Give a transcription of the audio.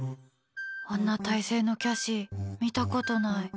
あんな体勢のキャシー見たことない。